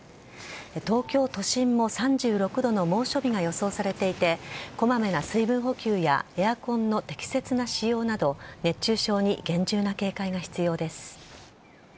東京都心も３６度の猛暑日が予想されていて、こまめな水分補給やエアコンの適切な使用など、熱中症に厳重な警戒が必要です。